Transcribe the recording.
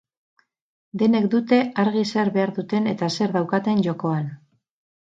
Denek dute argi zer behar duten eta zer daukaten jokoan.